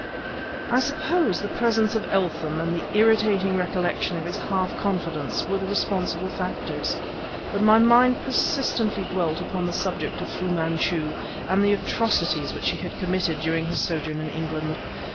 I suppose the presence of Eltham and the irritating recollection of his half confidence were the responsible factors, but my mind persistently dwelt upon the subject of Fu Manchu and the atrocities which he had committed during his sojourn in England.